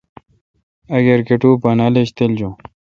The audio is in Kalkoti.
اگر کٹو بانال ایج تِل جون۔